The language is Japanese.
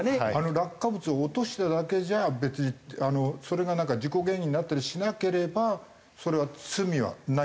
落下物を落としただけじゃ別にそれが事故原因になったりしなければそれは罪はないんですか？